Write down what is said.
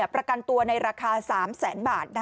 ประกันตัวในราคา๓แสนบาท